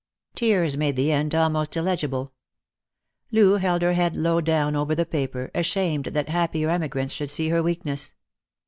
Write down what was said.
217 Tears made the end almost illegible. Loo held her head low down over the paper, ashamed that happier emigrants should see her weakness.